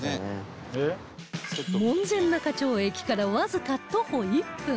門前仲町駅からわずか徒歩１分